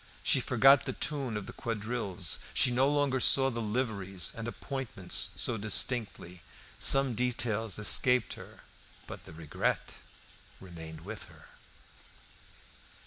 She forgot the tune of the quadrilles; she no longer saw the liveries and appointments so distinctly; some details escaped her, but the regret remained with her.